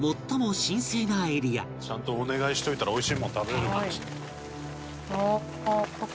「ちゃんとお願いしておいたら美味しいもの食べれるかもしれない」